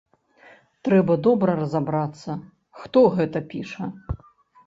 Трэба добра разабрацца, хто гэта піша.